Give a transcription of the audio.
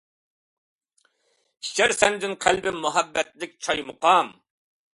ئىچەر سەندىن قەلبىمىز مۇھەببەتلىك چاي مۇقام.